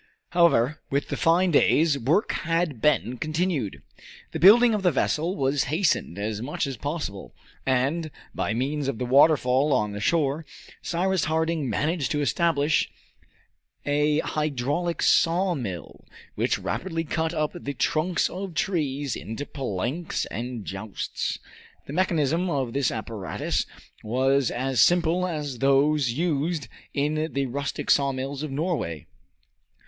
However, with the fine days work had been continued. The building of the vessel was hastened as much as possible, and, by means of the waterfall on the shore, Cyrus Harding managed to establish an hydraulic sawmill, which rapidly cut up the trunks of trees into planks and joists. The mechanism of this apparatus was as simple as those used in the rustic sawmills of Norway.